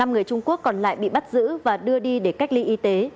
năm người trung quốc còn lại bị bắt giữ và đưa đi để cách ly y tế